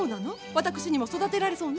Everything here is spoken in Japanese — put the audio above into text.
私にも育てられそうね。